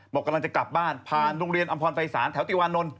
บอกกำลังจะกลับบ้านผ่านโรงเรียนอำพรภัยศาลแถวติวานนท์